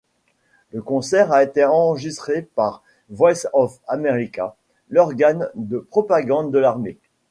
Le concert a été enregistré par Voice of America, l'organe de propagande de l'armée.